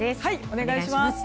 お願いします。